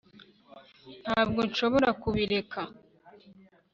ntabwo nshobora kubireka